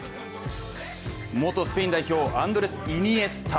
元スペイン代表、アンドレス・イニエスタ。